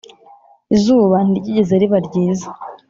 izuba ntiryigeze riba ryiza,